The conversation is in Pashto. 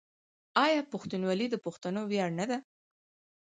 آیا پښتونولي د پښتنو ویاړ نه ده؟